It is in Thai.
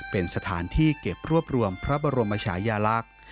เป็นสถานที่เก็บรวบรวมพระบรมชายาลักษณ์